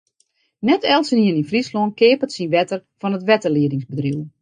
Net eltsenien yn Fryslân keapet syn wetter fan it wetterliedingbedriuw.